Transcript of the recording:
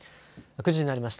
９時になりました。